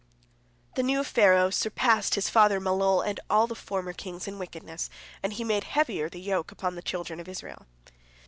The new Pharaoh surpassed his father Malol and all the former kings in wickedness, and he made heavier the yoke upon the children of Israel.